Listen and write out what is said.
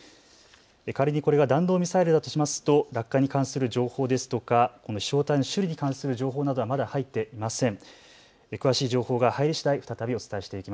仮にこれが弾道ミサイルだとしますと落下に関する情報ですとか、この飛しょう体の種類に関する情報などはまだ入っていません。